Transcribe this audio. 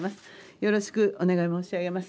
よろしくお願い申し上げます。